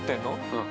◆うん。